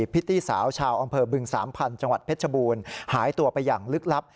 พิตตี้สาวชาวอำเภอบึงสามพันธุ์จังหวัดเพชรบูรณ์หายตัวไปอย่างลึกลับ